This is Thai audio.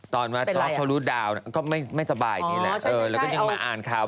ตอนว่าต๊อคเขารู้ดาวน่ะก็ไม่สบายอย่างนี้แหละแล้วก็ยังมาอ่านข่าว